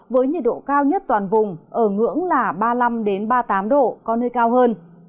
với nhiệt độ cao nhất toàn vùng ở ngưỡng là ba mươi năm ba mươi tám độ có nơi cao hơn